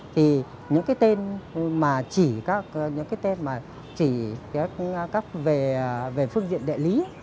thì những cái tên mà chỉ các về phương diện địa lý